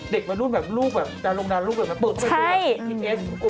เด็กมารุ่นแบบลูกแบบดาลงดาลลูกแบบมันเปลือกไปด้วย